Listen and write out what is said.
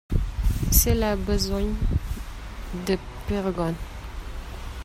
C'est là besogne de purgons.